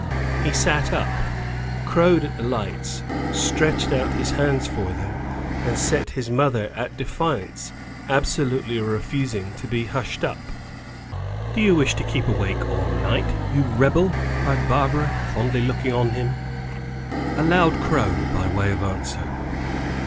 He sat up, crowed at the lights, stretched out his hands for them, and set his mother at defiance, absolutely refusing to be hushed up. "Do you wish to keep awake all night, you rebel?" cried Barbara, fondly looking on him. A loud crow, by way of answer.